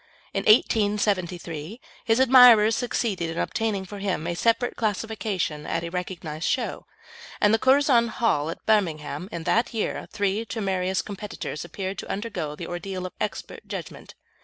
In 1873 his admirers succeeded in obtaining for him a separate classification at a recognised show, and at the Curzon Hall, at Birmingham, in that year three temerarious competitors appeared to undergo the ordeal of expert judgment.